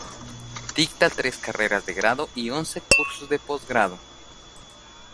Dicta tres carreras de grado y once cursos de postgrado.